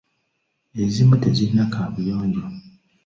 Ezimu tezirina kaabuyonja.